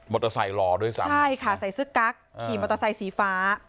เตอร์ไซค์รอด้วยซ้ำใช่ค่ะใส่เสื้อกั๊กขี่มอเตอร์ไซค์สีฟ้า